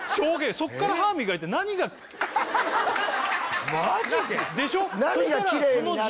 そっから歯磨いて何がマジで？